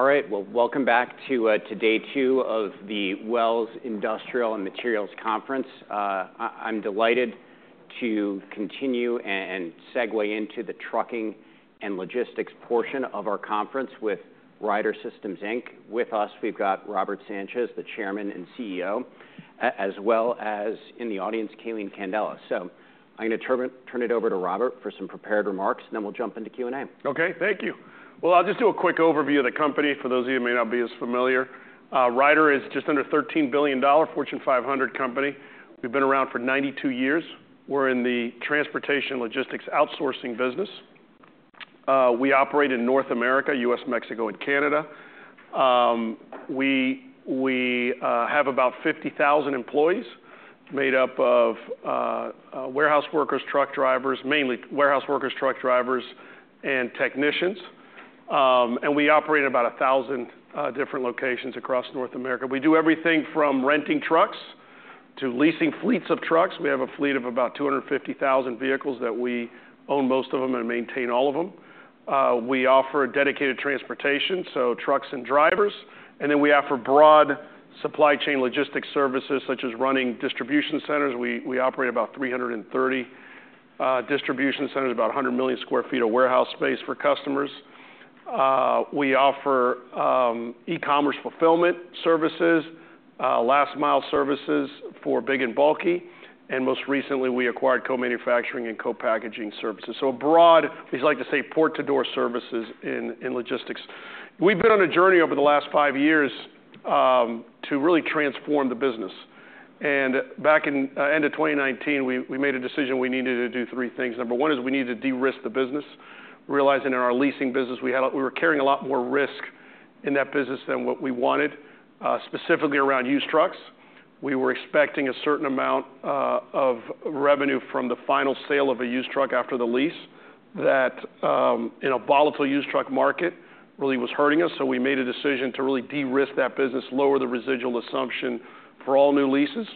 All right, welcome back to day two of the Wells Fargo Industrial and Materials conference. I'm delighted to continue and segue into the trucking and logistics portion of our conference with Ryder System. With us, we've got Robert Sanchez, the Chairman and CEO, as well as in the audience, Calene Candela. I'm gonna turn it over to Robert for some prepared remarks, and then we'll jump into Q&A. Okay, thank you. I'll just do a quick overview of the company for those of you who may not be as familiar. Ryder is just under $13 billion, Fortune 500 company. We've been around for 92 years. We're in the transportation logistics outsourcing business. We operate in North America, U.S., Mexico, and Canada. We have about 50,000 employees made up of warehouse workers, truck drivers, mainly warehouse workers, truck drivers, and technicians. We operate in about 1,000 different locations across North America. We do everything from renting trucks to leasing fleets of trucks. We have a fleet of about 250,000 vehicles that we own most of them and maintain all of them. We offer dedicated transportation, so trucks and drivers, and then we offer broad supply chain logistics services such as running distribution centers. We operate about 330 distribution centers, about 100 million sq ft of warehouse space for customers. We offer e-commerce fulfillment services, last-mile services for big and bulky, and most recently, we acquired co-manufacturing and co-packaging services. A broad, we like to say, port-to-door services in logistics. We've been on a journey over the last five years to really transform the business. Back in the end of 2019, we made a decision we needed to do three things. Number one is we needed to de-risk the business, realizing in our leasing business we were carrying a lot more risk in that business than what we wanted, specifically around used trucks. We were expecting a certain amount of revenue from the final sale of a used truck after the lease that, in a volatile used truck market, really was hurting us. We made a decision to really de-risk that business, lower the residual assumption for all new leases.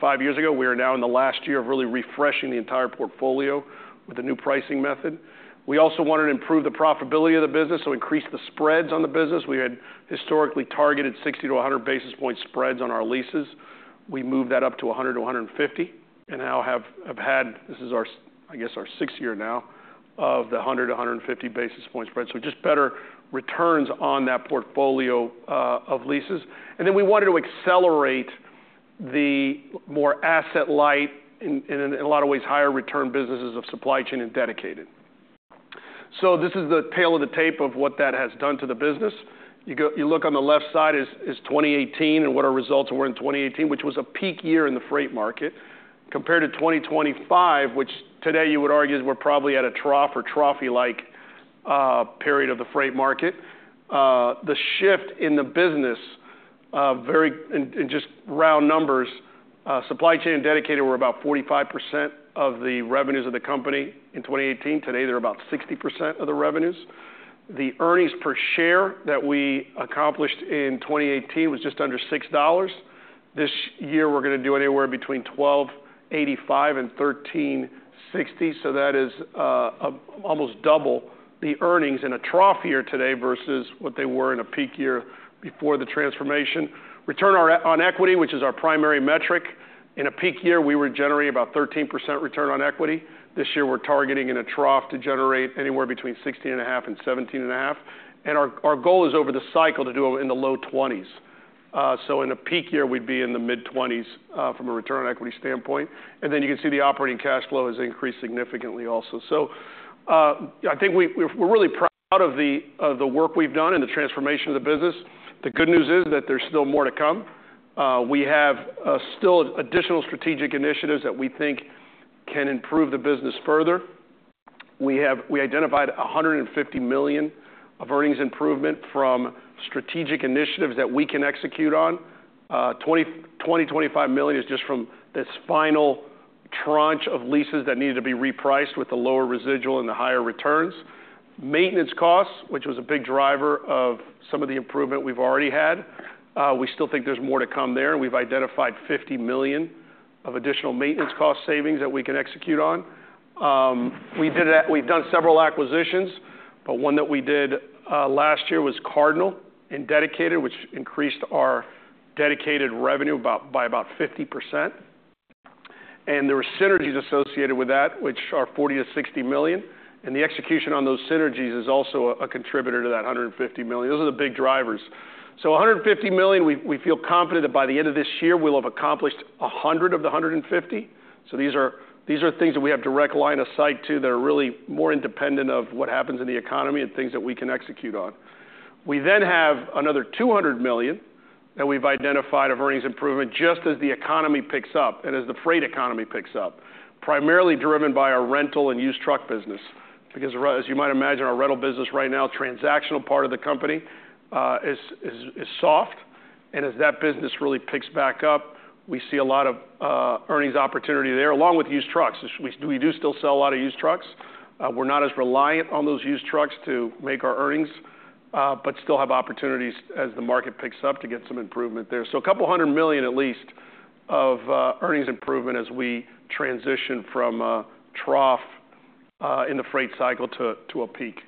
Five years ago, we are now in the last year of really refreshing the entire portfolio with a new pricing method. We also wanted to improve the profitability of the business, so increase the spreads on the business. We had historically targeted 60-100 basis point spreads on our leases. We moved that up to 100-150 and now have, have had, this is our, I guess, our 6th year now of the 100-150 basis point spreads. Just better returns on that portfolio of leases. Then we wanted to accelerate the more asset-light and, and in a lot of ways, higher return businesses of supply chain and dedicated. This is the tail of the tape of what that has done to the business. You go, you look on the left side is, is 2018 and what our results were in 2018, which was a peak year in the freight market compared to 2025, which today you would argue is we're probably at a trough or trough-like, period of the freight market. The shift in the business, very in, in just round numbers, supply chain and dedicated were about 45% of the revenues of the company in 2018. Today, they're about 60% of the revenues. The earnings per share that we accomplished in 2018 was just under $6. This year, we're gonna do anywhere between $12.85 and $13.60. That is, a, almost double the earnings in a trough year today versus what they were in a peak year before the transformation. Return on equity, which is our primary metric, in a peak year, we were generating about 13% return on equity. This year, we're targeting in a trough to generate anywhere between 16.5 and 17.5. Our goal is over the cycle to do in the low 20s. In a peak year, we'd be in the mid-20s, from a return on equity standpoint. You can see the operating cash flow has increased significantly also. I think we're really proud of the work we've done and the transformation of the business. The good news is that there's still more to come. We have still additional strategic initiatives that we think can improve the business further. We identified $150 million of earnings improvement from strategic initiatives that we can execute on. $20 million-$25 million is just from this final tranche of leases that needed to be repriced with the lower residual and the higher returns. Maintenance costs, which was a big driver of some of the improvement we've already had. We still think there's more to come there. We've identified $50 million of additional maintenance cost savings that we can execute on. We did a, we've done several acquisitions, but one that we did last year was Cardinal and dedicated, which increased our dedicated revenue by about 50%. There were synergies associated with that, which are $40 million-$60 million. The execution on those synergies is also a contributor to that $150 million. Those are the big drivers. $150 million, we feel confident that by the end of this year, we'll have accomplished $100 million of the $150 million. These are things that we have direct line of sight to that are really more independent of what happens in the economy and things that we can execute on. We then have another $200 million that we've identified of earnings improvement just as the economy picks up and as the freight economy picks up, primarily driven by our rental and used truck business. Because, as you might imagine, our rental business right now, transactional part of the company, is soft. As that business really picks back up, we see a lot of earnings opportunity there, along with used trucks. We do still sell a lot of used trucks. We're not as reliant on those used trucks to make our earnings, but still have opportunities as the market picks up to get some improvement there. A couple hundred million at least of earnings improvement as we transition from a trough in the freight cycle to a peak.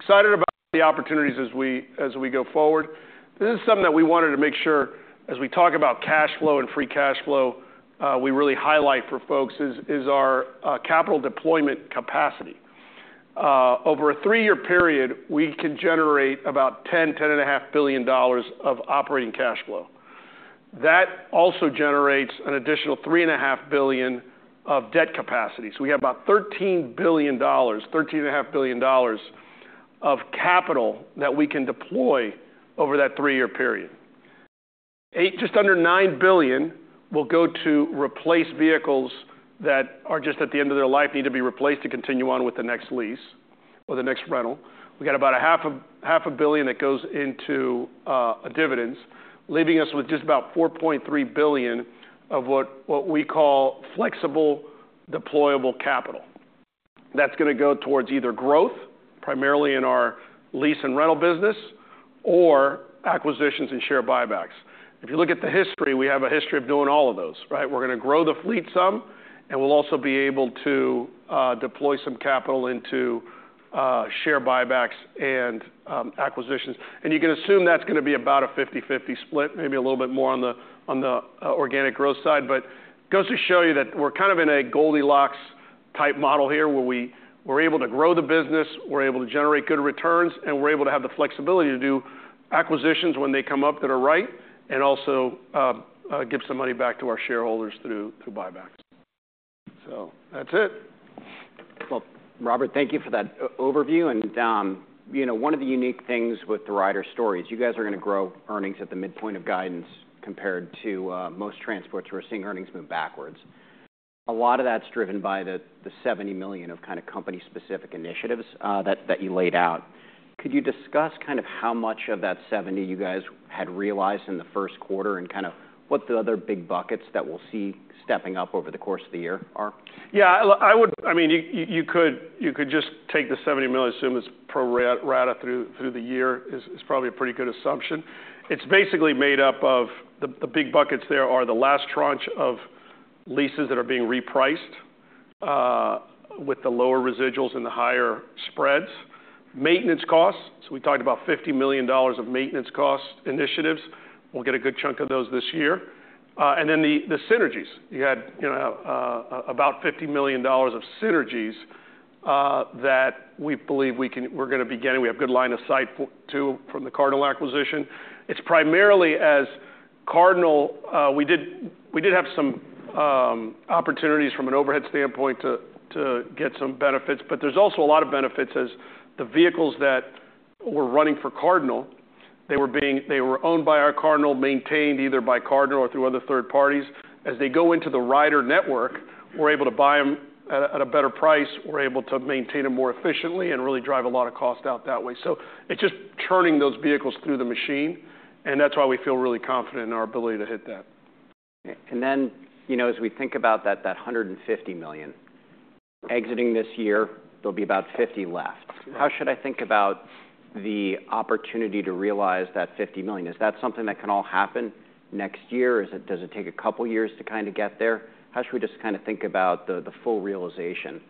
Excited about the opportunities as we go forward. This is something that we wanted to make sure as we talk about cash flow and free cash flow, we really highlight for folks is our capital deployment capacity. Over a three-year period, we can generate about $10 billion-$10.5 billion of operating cash flow. That also generates an additional $3.5 billion of debt capacity. We have about $13 billion-$13.5 billion of capital that we can deploy over that three-year period. Eight, just under $9 billion will go to replace vehicles that are just at the end of their life, need to be replaced to continue on with the next lease or the next rental. We got about $500,000 that goes into dividends, leaving us with just about $4.3 billion of what we call flexible deployable capital. That's gonna go towards either growth, primarily in our lease and rental business, or acquisitions and share buybacks. If you look at the history, we have a history of doing all of those, right? We're gonna grow the fleet some, and we'll also be able to deploy some capital into share buybacks and acquisitions. You can assume that's gonna be about a 50/50 split, maybe a little bit more on the organic growth side. It goes to show you that we're kind of in a Goldilocks-type model here where we are able to grow the business, we are able to generate good returns, and we are able to have the flexibility to do acquisitions when they come up that are right and also give some money back to our shareholders through buybacks. That's it. Robert, thank you for that overview. You know, one of the unique things with the Ryder story is you guys are gonna grow earnings at the midpoint of guidance compared to most transports. We're seeing earnings move backwards. A lot of that's driven by the $70 million of kind of company-specific initiatives that you laid out. Could you discuss kind of how much of that $70 million you guys had realized in the first quarter and kind of what the other big buckets that we'll see stepping up over the course of the year are? Yeah, I would, I mean, you could just take the $70 million, assume it's pro rata through the year is probably a pretty good assumption. It's basically made up of the, the big buckets there are the last tranche of leases that are being repriced, with the lower residuals and the higher spreads. Maintenance costs, so we talked about $50 million of maintenance cost initiatives. We'll get a good chunk of those this year. and then the synergies, you had, you know, about $50 million of synergies, that we believe we can, we're gonna be getting. We have good line of sight to from the Cardinal acquisition. It's primarily as Cardinal, we did, we did have some opportunities from an overhead standpoint to get some benefits. There are also a lot of benefits as the vehicles that were running for Cardinal, they were owned by Cardinal, maintained either by Cardinal or through other third parties. As they go into the Ryder network, we're able to buy them at a better price. We're able to maintain them more efficiently and really drive a lot of cost out that way. It is just churning those vehicles through the machine, and that's why we feel really confident in our ability to hit that. You know, as we think about that $150 million exiting this year, there'll be about $50 million left. How should I think about the opportunity to realize that $50 million? Is that something that can all happen next year? Does it take a couple years to kind of get there? How should we just kind of think about the full realization?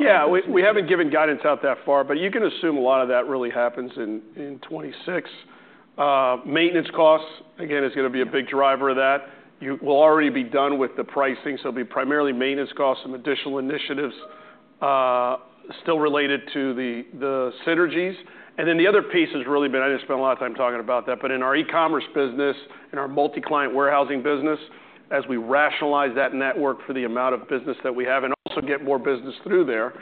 Yeah, we haven't given guidance out that far, but you can assume a lot of that really happens in 2026. Maintenance costs, again, is gonna be a big driver of that. You will already be done with the pricing, so it'll be primarily maintenance costs and additional initiatives, still related to the synergies. The other piece has really been, I didn't spend a lot of time talking about that, but in our e-commerce business, in our multi-client warehousing business, as we rationalize that network for the amount of business that we have and also get more business through there,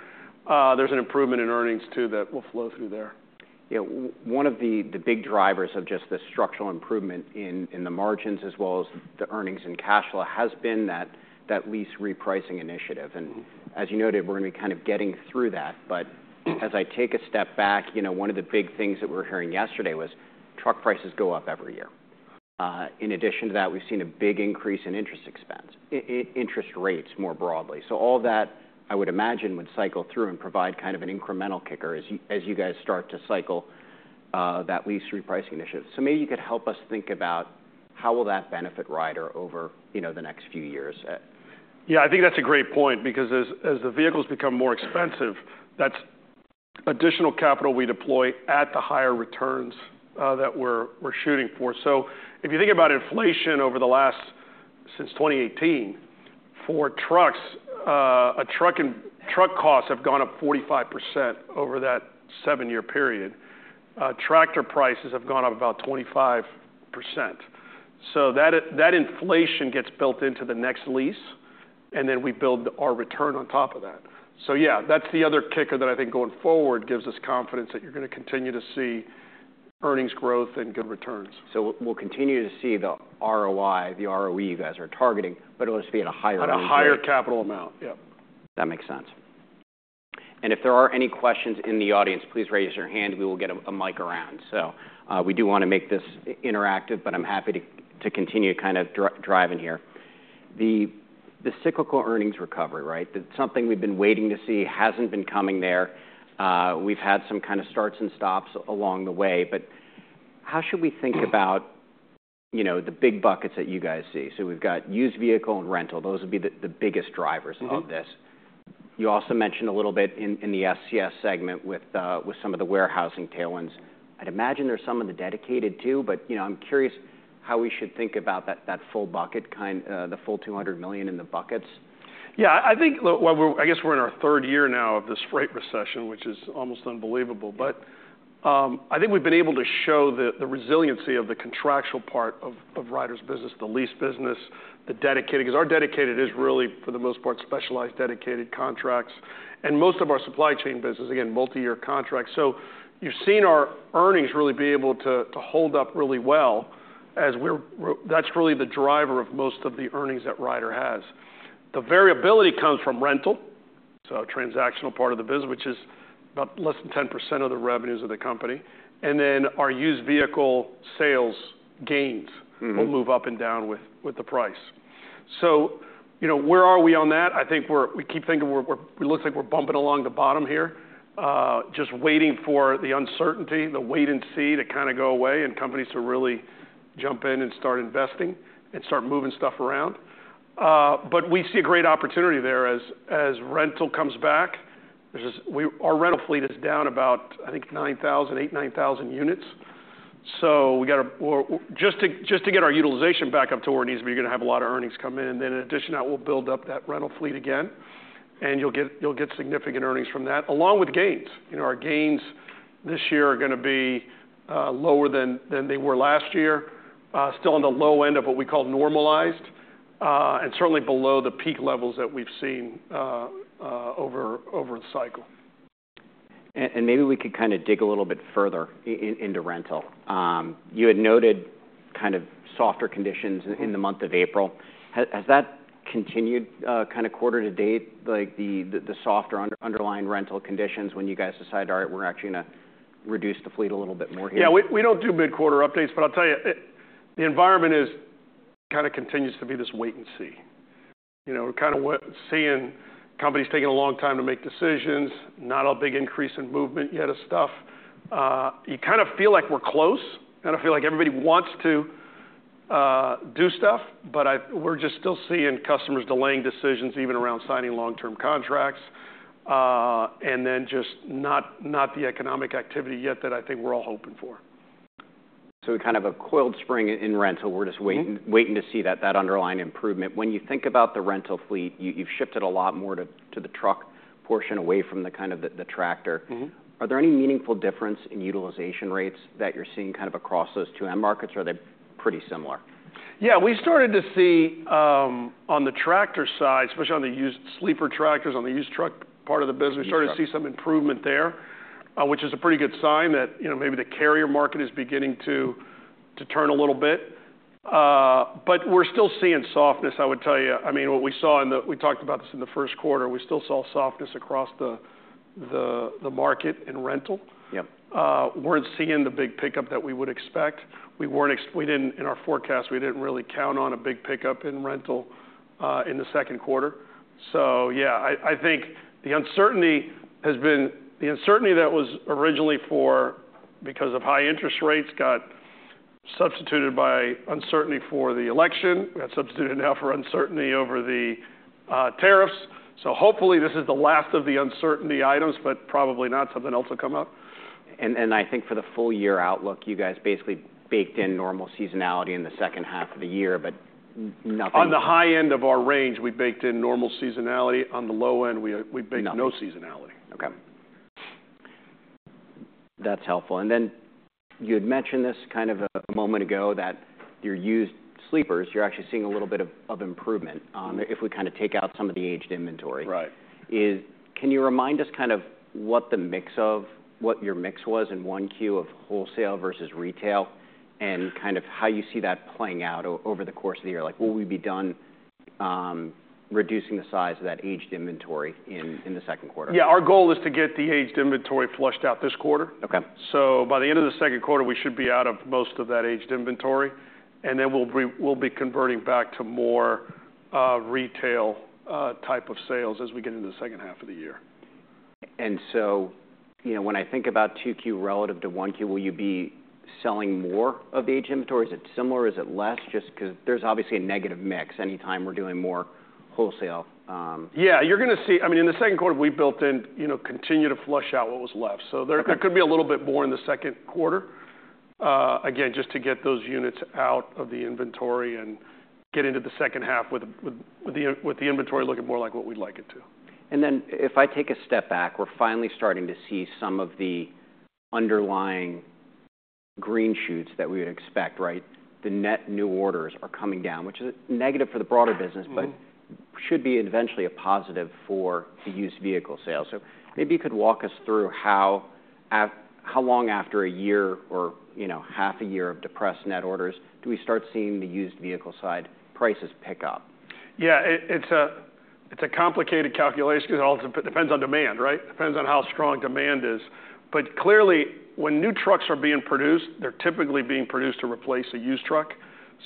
there's an improvement in earnings too that will flow through there. Yeah, one of the big drivers of just the structural improvement in the margins as well as the earnings and cash flow has been that lease repricing initiative. And as you noted, we're gonna be kind of getting through that. But as I take a step back, you know, one of the big things that we were hearing yesterday was truck prices go up every year. In addition to that, we've seen a big increase in interest expense, interest rates more broadly. All that, I would imagine, would cycle through and provide kind of an incremental kicker as you guys start to cycle that lease repricing initiative. Maybe you could help us think about how will that benefit Ryder over the next few years? Yeah, I think that's a great point because as the vehicles become more expensive, that's additional capital we deploy at the higher returns that we're shooting for. If you think about inflation over the last, since 2018 for trucks, truck costs have gone up 45% over that seven-year period. Tractor prices have gone up about 25%. That inflation gets built into the next lease, and then we build our return on top of that. Yeah, that's the other kicker that I think going forward gives us confidence that you're gonna continue to see earnings growth and good returns. We'll continue to see the ROI, the ROE you guys are targeting, but it'll just be at a higher level. At a higher capital amount. Yep. That makes sense. If there are any questions in the audience, please raise your hand. We will get a mic around. We do want to make this interactive, but I'm happy to continue kind of driving here. The cyclical earnings recovery, right? That's something we've been waiting to see, hasn't been coming there. We've had some kind of starts and stops along the way, but how should we think about, you know, the big buckets that you guys see? We've got used vehicle and rental. Those would be the biggest drivers of this. You also mentioned a little bit in the SCS segment with some of the warehousing tailwinds. I'd imagine there's some of the dedicated too, but, you know, I'm curious how we should think about that full bucket, kind of the full $200 million in the buckets. Yeah, I think, we're, I guess we're in our third year now of this freight recession, which is almost unbelievable. I think we've been able to show the resiliency of the contractual part of Ryder's business, the lease business, the dedicated, 'cause our dedicated is really for the most part specialized dedicated contracts and most of our supply chain business, again, multi-year contracts. You've seen our earnings really be able to hold up really well as we're, that's really the driver of most of the earnings that Ryder has. The variability comes from rental, so transactional part of the business, which is about less than 10% of the revenues of the company. Then our used vehicle sales gains will move up and down with the price. You know, where are we on that? I think we keep thinking we're, it looks like we're bumping along the bottom here, just waiting for the uncertainty, the wait and see to kind of go away and companies to really jump in and start investing and start moving stuff around. We see a great opportunity there as rental comes back. Our rental fleet is down about, I think, 9,000, 8, 9,000 units. Just to get our utilization back up to where it needs to be, you're gonna have a lot of earnings come in. In addition to that, we'll build up that rental fleet again, and you'll get significant earnings from that along with gains. You know, our gains this year are gonna be lower than they were last year, still on the low end of what we call normalized, and certainly below the peak levels that we've seen over the cycle. Maybe we could kind of dig a little bit further into rental. You had noted kind of softer conditions in the month of April. Has that continued, kind of quarter to date, like the softer underlying rental conditions when you guys decided, all right, we're actually gonna reduce the fleet a little bit more here? Yeah, we don't do mid-quarter updates, but I'll tell you, the environment kind of continues to be this wait and see. You know, we're kind of seeing companies taking a long time to make decisions, not a big increase in movement yet of stuff. You kind of feel like we're close, kind of feel like everybody wants to do stuff, but we're just still seeing customers delaying decisions even around signing long-term contracts, and then just not the economic activity yet that I think we're all hoping for. Kind of a coiled spring in, in rental. We're just waiting, waiting to see that underlying improvement. When you think about the rental fleet, you, you've shifted a lot more to the truck portion away from the kind of the tractor. Are there any meaningful differences in utilization rates that you're seeing kind of across those two end markets, or are they pretty similar? Yeah, we started to see, on the tractor side, especially on the used sleeper tractors, on the used truck part of the business, we started to see some improvement there, which is a pretty good sign that, you know, maybe the carrier market is beginning to turn a little bit. We are still seeing softness, I would tell you. I mean, what we saw in the, we talked about this in the first quarter, we still saw softness across the market in rental. We were not seeing the big pickup that we would expect. We were not, we did not, in our forecast, we did not really count on a big pickup in rental in the second quarter. Yeah, I think the uncertainty has been, the uncertainty that was originally for, because of high interest rates, got substituted by uncertainty for the election. We got substituted now for uncertainty over the tariffs. Hopefully this is the last of the uncertainty items, but probably not. Something else will come up. I think for the full year outlook, you guys basically baked in normal seasonality in the second half of the year, but nothing. On the high end of our range, we baked in normal seasonality. On the low end, we baked no seasonality. Okay. That's helpful. You had mentioned this kind of a moment ago that your used sleepers, you're actually seeing a little bit of improvement on if we kind of take out some of the aged inventory. Right. Can you remind us kind of what your mix was in Q1 of wholesale versus retail and kind of how you see that playing out over the course of the year? Like will we be done reducing the size of that aged inventory in the second quarter? Yeah, our goal is to get the aged inventory flushed out this quarter. Okay. By the end of the second quarter, we should be out of most of that aged inventory, and then we'll be converting back to more retail type of sales as we get into the second half of the year. You know, when I think about 2Q relative to 1Q, will you be selling more of the aged inventory? Is it similar? Is it less? Just 'cause there is obviously a negative mix anytime we are doing more wholesale, Yeah, you're gonna see, I mean, in the second quarter, we built in, you know, continue to flush out what was left. There could be a little bit more in the second quarter, again, just to get those units out of the inventory and get into the second half with the inventory looking more like what we'd like it to. If I take a step back, we're finally starting to see some of the underlying green shoots that we would expect, right? The net new orders are coming down, which is negative for the broader business, but should be eventually a positive for the used vehicle sales. Maybe you could walk us through how long after a year or, you know, half a year of depressed net orders do we start seeing the used vehicle side prices pick up? Yeah, it, it's a, it's a complicated calculation 'cause it also depends on demand, right? Depends on how strong demand is. Clearly when new trucks are being produced, they're typically being produced to replace a used truck.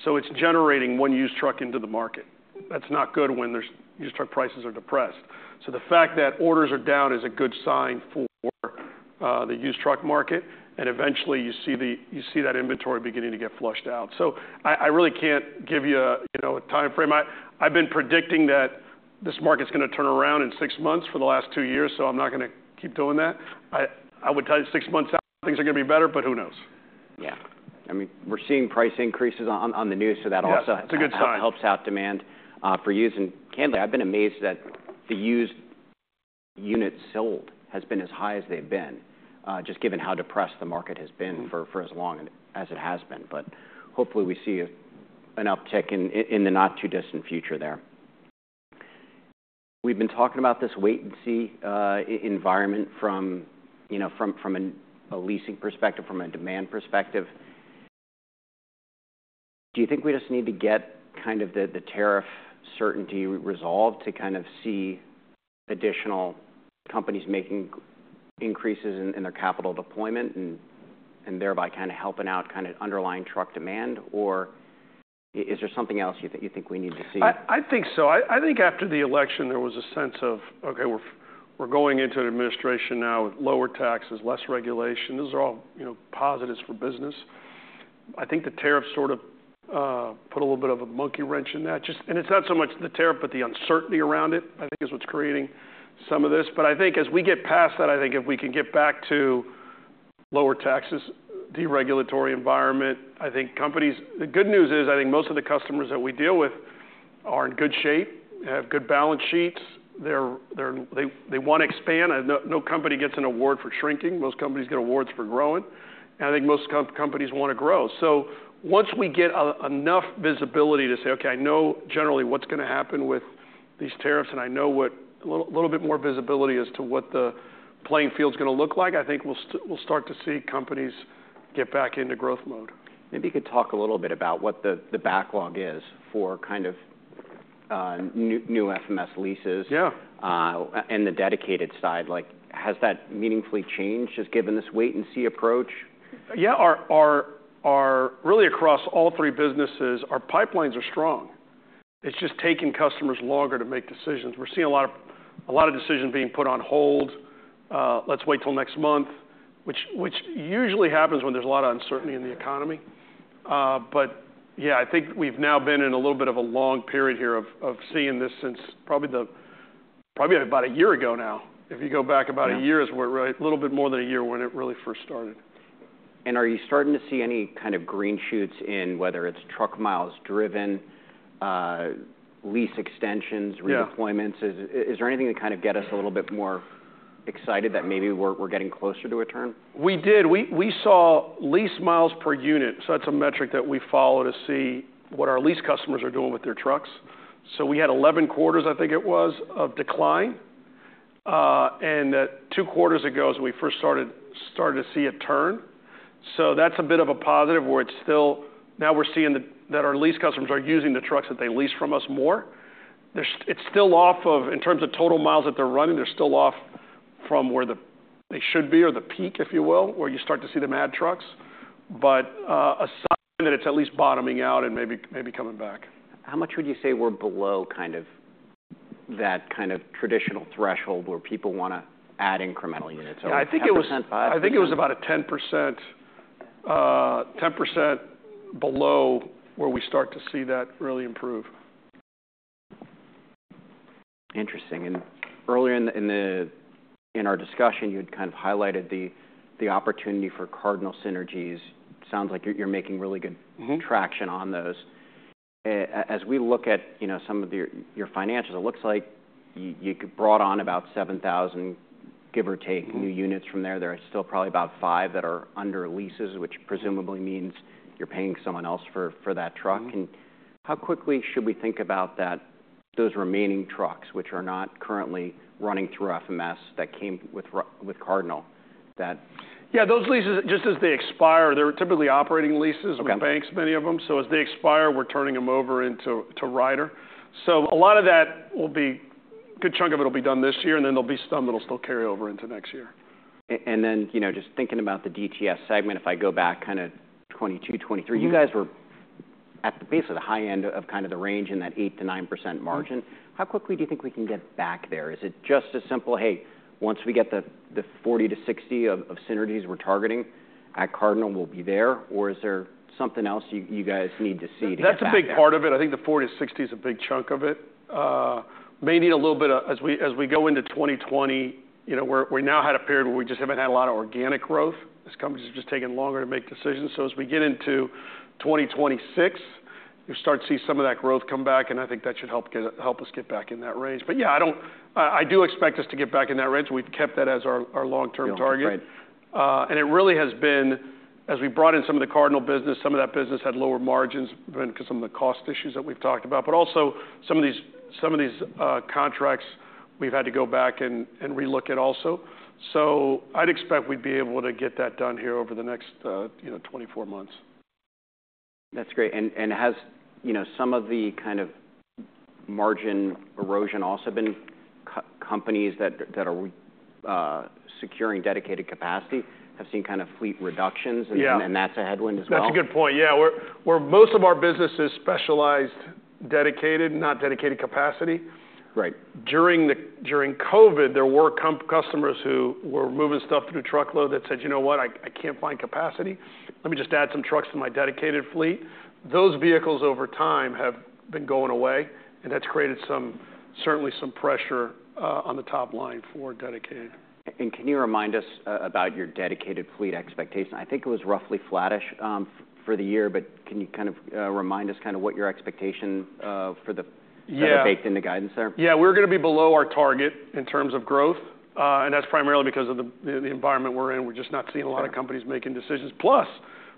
It is generating one used truck into the market. That is not good when used truck prices are depressed. The fact that orders are down is a good sign for the used truck market. Eventually you see that inventory beginning to get flushed out. I really can't give you a, you know, a timeframe. I've been predicting that this market's gonna turn around in six months for the last two years, so I'm not gonna keep doing that. I would tell you six months out, things are gonna be better, but who knows? Yeah. I mean, we're seeing price increases on the news, so that also helps out demand for used. And candidly, I've been amazed that the used units sold has been as high as they've been, just given how depressed the market has been for as long as it has been. Hopefully we see an uptick in the not too distant future there. We've been talking about this wait and see environment from, you know, from a leasing perspective, from a demand perspective. Do you think we just need to get kind of the tariff certainty resolved to kind of see additional companies making increases in their capital deployment and thereby kind of helping out underlying truck demand? Or is there something else you think we need to see? I think so. I think after the election there was a sense of, okay, we're going into an administration now with lower taxes, less regulation. Those are all, you know, positives for business. I think the tariffs sort of put a little bit of a monkey wrench in that. Just, and it's not so much the tariff, but the uncertainty around it, I think is what's creating some of this. I think as we get past that, if we can get back to lower taxes, deregulatory environment, I think companies, the good news is I think most of the customers that we deal with are in good shape, have good balance sheets. They wanna expand. No company gets an award for shrinking. Most companies get awards for growing. I think most companies wanna grow. Once we get enough visibility to say, okay, I know generally what's gonna happen with these tariffs and I know a little bit more visibility as to what the playing field's gonna look like, I think we'll start to see companies get back into growth mode. Maybe you could talk a little bit about what the backlog is for kind of new, new FMS leases. Yeah. and the dedicated side, like has that meaningfully changed just given this wait and see approach? Yeah, really across all three businesses, our pipelines are strong. It's just taken customers longer to make decisions. We're seeing a lot of decisions being put on hold. Let's wait till next month, which usually happens when there's a lot of uncertainty in the economy. Yeah, I think we've now been in a little bit of a long period here of seeing this since probably about a year ago now. If you go back about a year is where, right, a little bit more than a year when it really first started. Are you starting to see any kind of green shoots in whether it is truck miles driven, lease extensions, redeployments? Is there anything to kind of get us a little bit more excited that maybe we are getting closer to a turn? We did. We saw lease miles per unit. So that's a metric that we follow to see what our lease customers are doing with their trucks. We had 11 quarters, I think it was, of decline. Two quarters ago is when we first started to see a turn. That's a bit of a positive where now we're seeing that our lease customers are using the trucks that they lease from us more. It's still off, in terms of total miles that they're running, they're still off from where they should be or the peak, if you will, where you start to see the mad trucks. A sign that it's at least bottoming out and maybe, maybe coming back. How much would you say we're below kind of that kind of traditional threshold where people wanna add incremental units over time? I think it was, I think it was about a 10%, 10% below where we start to see that really improve. Interesting. Earlier in our discussion, you had kind of highlighted the opportunity for Cardinal synergies. Sounds like you're making really good traction on those. As we look at, you know, some of your finances, it looks like you brought on about 7,000, give or take, new units from there. There are still probably about five that are under leases, which presumably means you're paying someone else for that truck. How quickly should we think about those remaining trucks, which are not currently running through FMS that came with Cardinal? Yeah, those leases, just as they expire, they're typically operating leases with banks, many of them. As they expire, we're turning them over into, to Ryder. A lot of that will be, a good chunk of it will be done this year, and then there'll be some that'll still carry over into next year. You know, just thinking about the DTS segment, if I go back kind of 2022, 2023, you guys were at the base of the high end of kind of the range in that 8-9% margin. How quickly do you think we can get back there? Is it just as simple, hey, once we get the 40-60 of synergies we're targeting at Cardinal, we'll be there? Or is there something else you guys need to see to get back? That's a big part of it. I think the 40-60 is a big chunk of it. May need a little bit of, as we, as we go into 2020, you know, we now had a period where we just haven't had a lot of organic growth. These companies are just taking longer to make decisions. As we get into 2026, you start to see some of that growth come back, and I think that should help us get back in that range. Yeah, I do expect us to get back in that range. We've kept that as our long-term target. It really has been, as we brought in some of the Cardinal business, some of that business had lower margins because of some of the cost issues that we've talked about, but also some of these contracts we've had to go back and relook at also. I'd expect we'd be able to get that done here over the next, you know, 24 months. That's great. And has, you know, some of the kind of margin erosion also been companies that are securing dedicated capacity have seen kind of fleet reductions? And that's a headwind as well? That's a good point. Yeah. Most of our business is specialized, dedicated, not dedicated capacity. Right. During COVID, there were customers who were moving stuff through truckload that said, you know what, I can't find capacity. Let me just add some trucks to my dedicated fleet. Those vehicles over time have been going away, and that's created certainly some pressure on the top line for dedicated. Can you remind us about your dedicated fleet expectation? I think it was roughly flattish for the year, but can you kind of remind us what your expectation for the, for the baked into guidance there? Yeah, we're gonna be below our target in terms of growth, and that's primarily because of the environment we're in. We're just not seeing a lot of companies making decisions. Plus,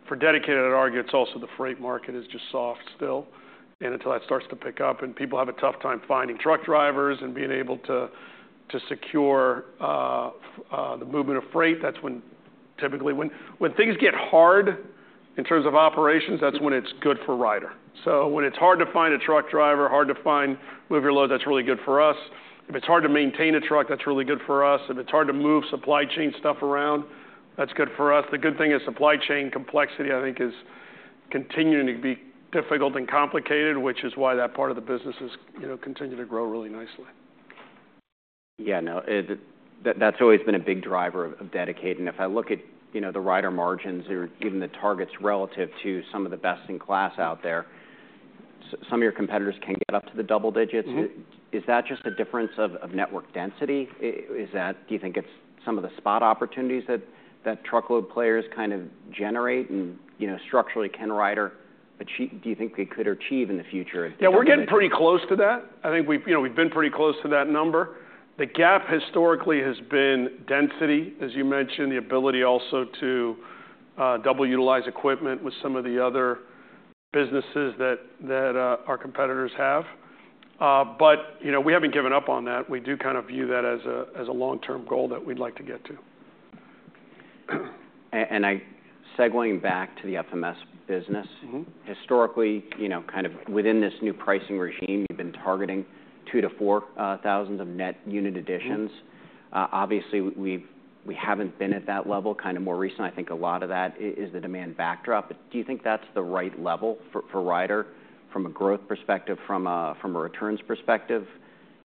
for dedicated, I'd argue it's also the freight market is just soft still. Until that starts to pick up and people have a tough time finding truck drivers and being able to secure the movement of freight, that's typically when things get hard in terms of operations, that's when it's good for Ryder. When it's hard to find a truck driver, hard to move your load, that's really good for us. If it's hard to maintain a truck, that's really good for us. If it's hard to move supply chain stuff around, that's good for us. The good thing is supply chain complexity, I think, is continuing to be difficult and complicated, which is why that part of the business is, you know, continuing to grow really nicely. Yeah, no, that's always been a big driver of dedicated. If I look at, you know, the Ryder margins or even the targets relative to some of the best in class out there, some of your competitors can get up to the double digits. Is that just a difference of network density? Do you think it's some of the spot opportunities that truckload players kind of generate and, you know, structurally can Ryder achieve? Do you think they could achieve in the future? Yeah, we're getting pretty close to that. I think we've, you know, we've been pretty close to that number. The gap historically has been density, as you mentioned, the ability also to double utilize equipment with some of the other businesses that our competitors have. You know, we haven't given up on that. We do kind of view that as a long-term goal that we'd like to get to. I segueing back to the FMS business. Historically, you know, kind of within this new pricing regime, you've been targeting two to four thousand of net unit additions. Obviously, we haven't been at that level. Kind of more recently, I think a lot of that is the demand backdrop. Do you think that's the right level for Ryder from a growth perspective, from a returns perspective?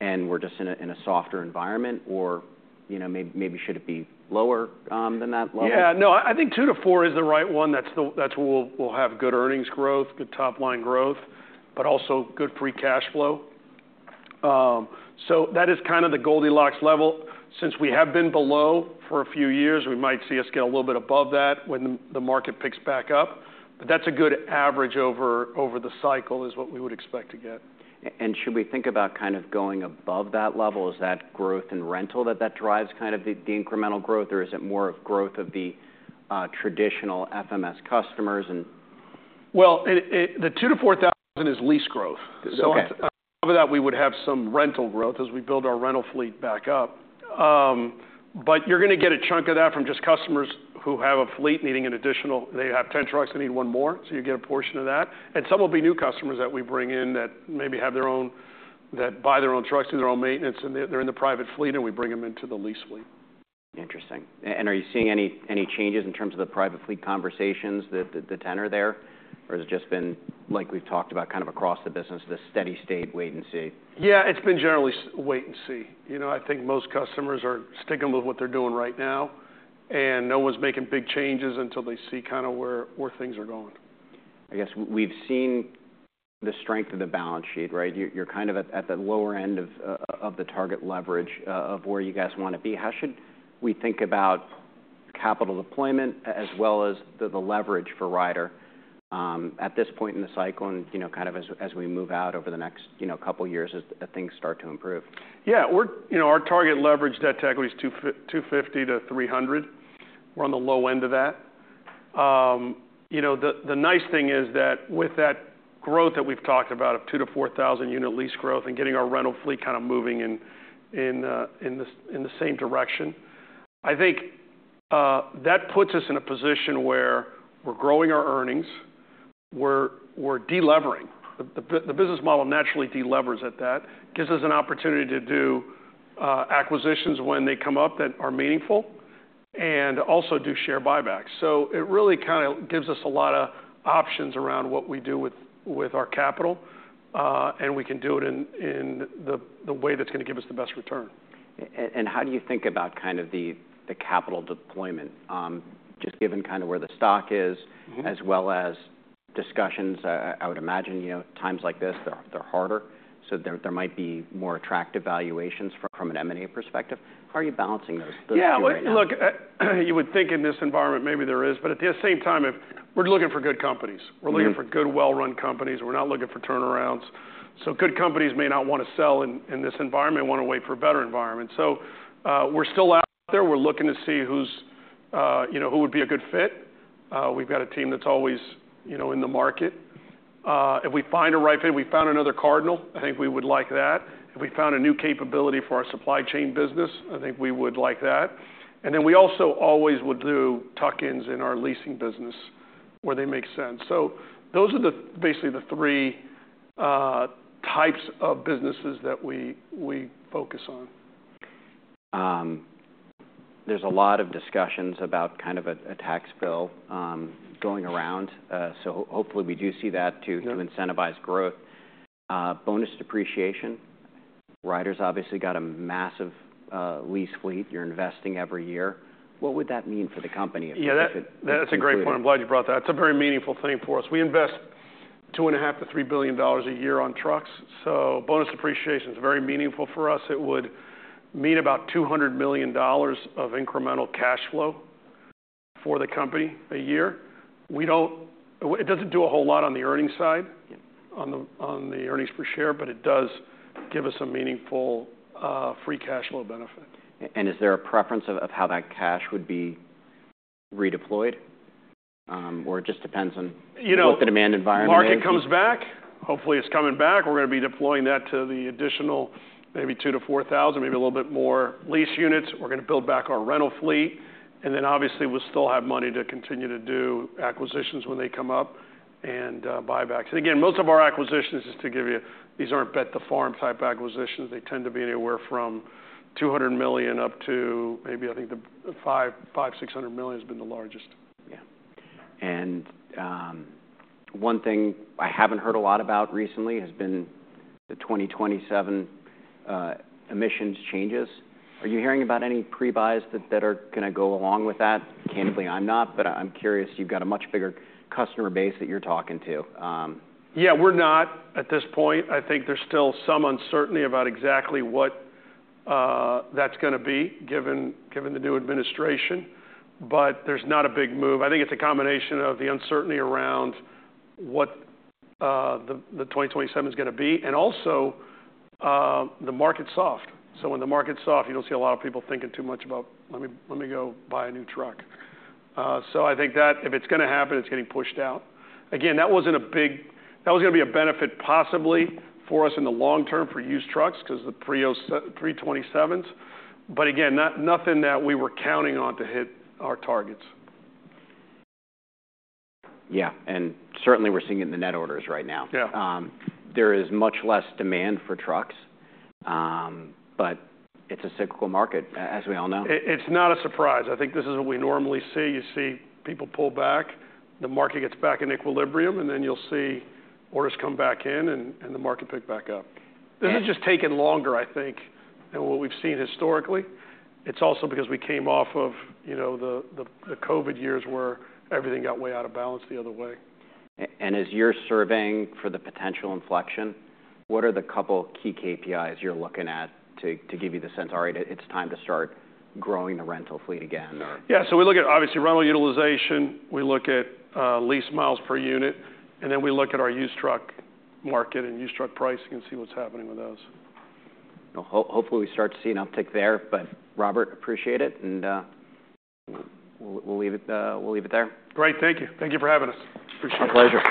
We're just in a softer environment or, you know, maybe, maybe should it be lower than that level? Yeah, no, I think two to four is the right one. That's the, that's where we'll have good earnings growth, good top line growth, but also good free cash flow. That is kind of the Goldilocks level. Since we have been below for a few years, we might see us get a little bit above that when the market picks back up. That's a good average over the cycle is what we would expect to get. Should we think about kind of going above that level, is that growth in rental that drives kind of the incremental growth, or is it more of growth of the traditional FMS customers? It, the two to four thousand is lease growth. On top of that, we would have some rental growth as we build our rental fleet back up. You're gonna get a chunk of that from just customers who have a fleet needing an additional, they have 10 trucks, they need one more. You get a portion of that. Some will be new customers that we bring in that maybe have their own, that buy their own trucks and their own maintenance and they're in the private fleet and we bring them into the lease fleet. Interesting. Are you seeing any changes in terms of the private fleet conversations, the tenor there? Or has it just been like we've talked about, kind of across the business, the steady state wait and see? Yeah, it's been generally wait and see. You know, I think most customers are sticking with what they're doing right now and no one's making big changes until they see kind of where things are going. I guess we've seen the strength of the balance sheet, right? You're kind of at the lower end of the target leverage, of where you guys wanna be. How should we think about capital deployment as well as the leverage for Ryder at this point in the cycle and, you know, kind of as we move out over the next couple of years as things start to improve? Yeah, we're, you know, our target leverage debt tech was 2.50 to 3.00. We're on the low end of that. You know, the nice thing is that with that growth that we've talked about of 2,000-4,000 unit lease growth and getting our rental fleet kind of moving in the same direction, I think that puts us in a position where we're growing our earnings, we're delevering. The business model naturally delevers at that, gives us an opportunity to do acquisitions when they come up that are meaningful and also do share buybacks. It really kind of gives us a lot of options around what we do with our capital, and we can do it in the way that's gonna give us the best return. How do you think about kind of the capital deployment, just given kind of where the stock is as well as discussions? I would imagine, you know, times like this, they're harder. There might be more attractive valuations from an M&A perspective. How are you balancing those? Yeah, look, you would think in this environment, maybe there is, but at the same time, if we're looking for good companies, we're looking for good, well-run companies. We're not looking for turnarounds. Good companies may not wanna sell in this environment, wanna wait for a better environment. We're still out there. We're looking to see who's, you know, who would be a good fit. We've got a team that's always, you know, in the market. If we find a right fit, we found another Cardinal, I think we would like that. If we found a new capability for our supply chain business, I think we would like that. We also always would do tuck-ins in our leasing business where they make sense. Those are basically the three types of businesses that we focus on. There's a lot of discussions about kind of a tax bill going around. Hopefully we do see that to incentivize growth. Bonus depreciation. Ryder's obviously got a massive lease fleet. You're investing every year. What would that mean for the company? Yeah, that's a great point. I'm glad you brought that. It's a very meaningful thing for us. We invest $2.5 billion-$3 billion a year on trucks. So bonus depreciation is very meaningful for us. It would mean about $200 million of incremental cash flow for the company a year. We don't, it doesn't do a whole lot on the earnings side, on the earnings per share, but it does give us a meaningful, free cash flow benefit. Is there a preference of how that cash would be redeployed? Or it just depends on what the demand environment is? You know, market comes back, hopefully it's coming back. We're gonna be deploying that to the additional maybe 2,000-4,000, maybe a little bit more lease units. We're gonna build back our rental fleet. Obviously we'll still have money to continue to do acquisitions when they come up, and buybacks. Again, most of our acquisitions, just to give you, these aren't bet the farm type acquisitions. They tend to be anywhere from $200 million up to maybe, I think the $500 million-$600 million has been the largest. Yeah. One thing I haven't heard a lot about recently has been the 2027 emissions changes. Are you hearing about any prebuys that are gonna go along with that? Candidly, I'm not, but I'm curious. You've got a much bigger customer base that you're talking to. Yeah, we're not at this point. I think there's still some uncertainty about exactly what that's gonna be given, given the new administration. There's not a big move. I think it's a combination of the uncertainty around what the 2027 is gonna be. Also, the market's soft. When the market's soft, you don't see a lot of people thinking too much about, let me, let me go buy a new truck. I think that if it's gonna happen, it's getting pushed out. Again, that wasn't a big, that was gonna be a benefit possibly for us in the long term for used trucks 'cause the prior 327s. Again, not nothing that we were counting on to hit our targets. Yeah. Certainly we're seeing it in the net orders right now. Yeah. There is much less demand for trucks, but it's a cyclical market as we all know. It's not a surprise. I think this is what we normally see. You see people pull back, the market gets back in equilibrium, and then you'll see orders come back in, and the market pick back up. This is just taking longer, I think, than what we've seen historically. It's also because we came off of, you know, the COVID years where everything got way out of balance the other way. As you're surveying for the potential inflection, what are the couple key KPIs you're looking at to give you the sense, all right, it's time to start growing the rental fleet again or? Yeah. So we look at obviously rental utilization. We look at, lease miles per unit, and then we look at our used truck market and used truck pricing and see what's happening with those. Hopefully we start to see an uptick there, but Robert, appreciate it. We'll leave it, we'll leave it there. Great. Thank you. Thank you for having us. Appreciate it. Our pleasure.